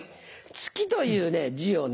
「月」という字をね